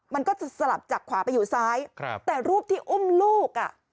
มันก็จะสลับจากขวาไปอยู่ซ้ายครับแต่รูปที่อุ้มลูกอ่ะ